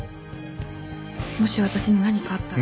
もし私に何かあったら。